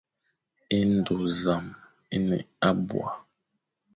É ndo zam é ne abua.